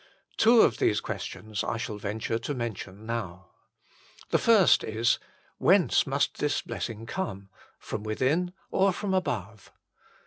Two of these questions I shall venture to mention now. The first is : whence must this blessing come, from WITHIN or from ABOVE